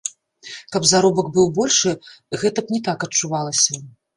Каб заробак быў большы, гэта б не так адчувалася.